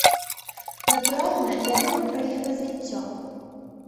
Натуральна, я думаю пра іх развіццё.